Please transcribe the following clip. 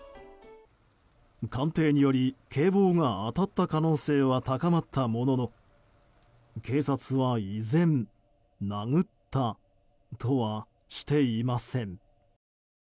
鑑定により警棒が当たった可能性は高まったものの警察は依然殴ったとはしていません。